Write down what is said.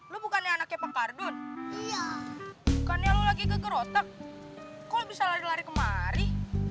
lu bukannya anaknya pakardun iya kan ya lagi ke kerotak kok bisa lari lari kemari